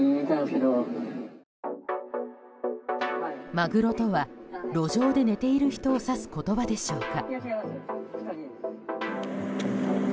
マグロとは路上で寝ている人を指す言葉でしょうか。